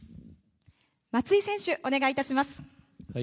松井選手、お願いいたします。